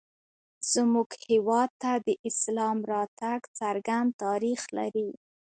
زموږ هېواد ته د اسلام راتګ څرګند تاریخ لري